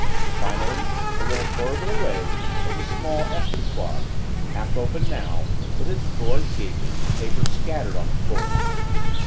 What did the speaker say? Finally, a little further away, was a small escritoire, half open now, with its drawers gaping and papers scattered on the floor.